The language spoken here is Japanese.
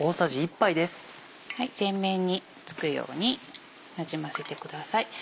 全面に付くようになじませてください。